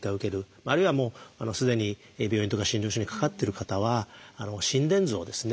あるいはすでに病院とか診療所にかかってる方は心電図をですね